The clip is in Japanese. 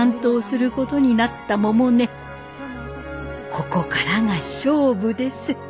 ここからが勝負です。